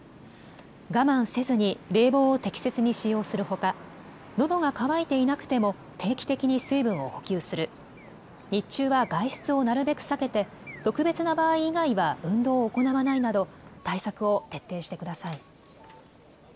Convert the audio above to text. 我慢せずに冷房を適切に使用するほか、のどが渇いていなくても定期的に水分を補給する、日中は外出をなるべく避けて特別な場合以外は運動を行わないなど対策を徹底してください。